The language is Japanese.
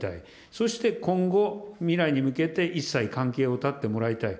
そして今後、未来に向けて一切関係を断ってもらいたい。